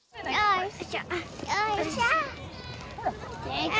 よいしょ。